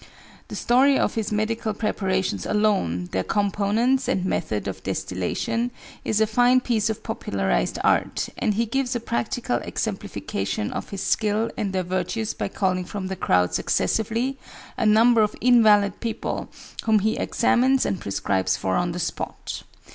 The story of his medical preparations alone, their components and method of distillation, is a fine piece of popularized art, and he gives a practical exemplification of his skill and their virtues by calling from the crowd successively, a number of invalid people, whom he examines and prescribes for on the spot.